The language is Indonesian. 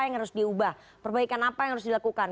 yang harus diubah perbaikan apa yang harus dilakukan